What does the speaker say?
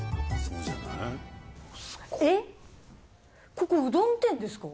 ここうどん店ですか？